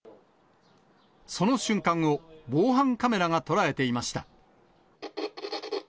その瞬間を、防犯カメラが捉えていました。